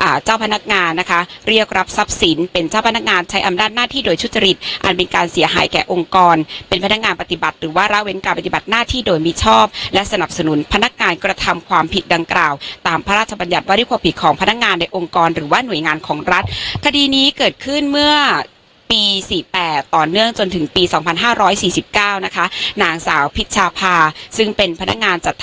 อ่าเจ้าพนักงานนะคะเรียกรับทรัพย์สินเป็นเจ้าพนักงานใช้อำนาจหน้าที่โดยชุดจริตอันเป็นการเสียหายแก่องค์กรเป็นพนักงานปฏิบัติหรือว่าระเว้นการปฏิบัติหน้าที่โดยมีชอบและสนับสนุนพนักงานกระทำความผิดดังกล่าวตามพระราชบัญญัติวริภพิษของพนักงานในองค์กรหรือว่าหน